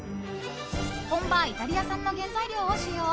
本場イタリア産の原材料を使用。